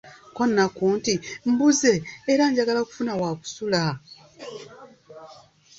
Ko Nakku nti, mbuze era njagala kufuna wa kusula!